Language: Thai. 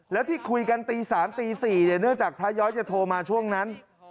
แล้วที่คุยกันตี๓ตี๔เนื่องจากพระย้อยจะโทรมาช่วงนั้น